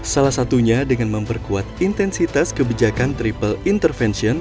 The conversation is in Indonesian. salah satunya dengan memperkuat intensitas kebijakan triple intervention